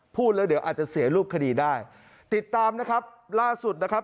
พูดแล้วเดี๋ยวอาจจะเสียรูปคดีได้ติดตามนะครับล่าสุดนะครับ